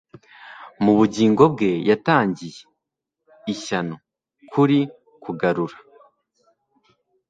mu bugingo bwe yatangiye, ishyano! kuri kugarura